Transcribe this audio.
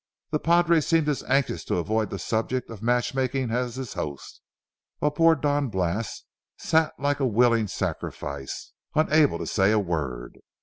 The padre seemed as anxious to avoid the subject of matchmaking as his host, while poor Don Blas sat like a willing sacrifice, unable to say a word.